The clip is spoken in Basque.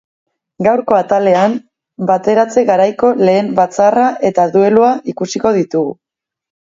Gaurko atalean, bateratze garaiko lehen batzarra eta duelua ikusiko ditugu.